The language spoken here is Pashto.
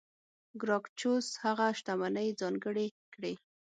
ګراکچوس هغه شتمنۍ ځانګړې کړې.